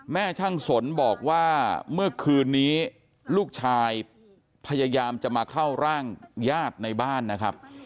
แม่ช่างสนบอกว่าเมื่อคืนนี้ลูกชายพยายามจะมาเข้าร่างญาติในบ้านนะครับ